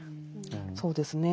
そうですね。